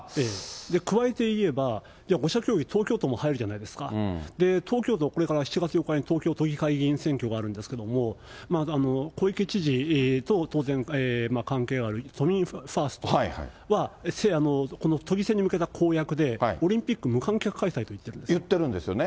加えて言えば、じゃあ５者協議、東京都も入るじゃないですか、東京都、これから７月４日に東京都議会議員選挙があるんですけども、小池知事と、当然、関係ある都民ファーストは、この都議選に向けた公約で、オリンピック、言ってるんですよね。